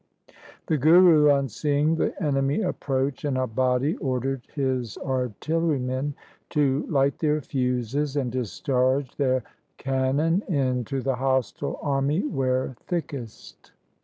The Guru on seeing the enemy approach in a body ordered his artillerymen to light their fuses and discharge their cannon into the hostile army where thickest.